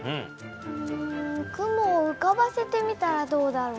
うん雲をうかばせてみたらどうだろう？